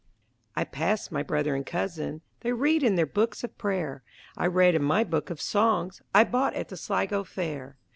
I passed my brother and cousin; They read in their books of prayer; I read in my book of songs I bought at the Sligo fair.